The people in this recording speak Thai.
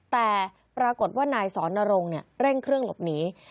แต่ปรากฏว่านายสอนนรงค์เร่งเครื่องหลบหนี